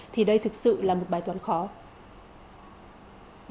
thì đây thực sự là một bài toán khó